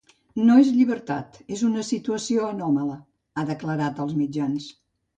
“No és llibertat, és una situació anòmala”, ha declarat als mitjans.